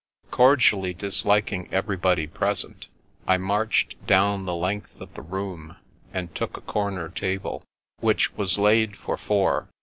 Cordially disliking everybody present, I marched down the length of the room, and took a comer table, which was laid for four.